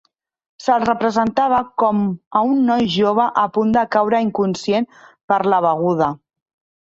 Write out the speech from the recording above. Se'l representava com a un noi jove a punt de caure inconscient per la beguda.